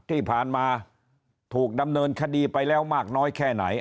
ที่ผ่านมาถูกดำเนินคดีไปแล้วมากน้อยแค่ไหน